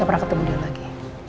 gak pernah ketemu dia lagi